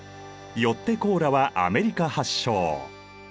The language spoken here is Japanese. よってコーラはアメリカ発祥。